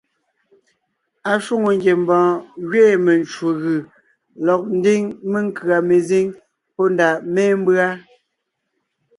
Ashwòŋo ngiembɔɔn gẅiin mencwò gʉ̀ lɔg ńdiŋ menkʉ̀a mezíŋ pɔ́ ndàʼ mémbʉa.